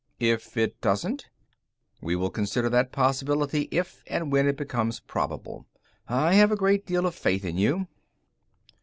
"If it doesn't?" "We will consider that possibility if and when it becomes probable. I have a great deal of faith in you."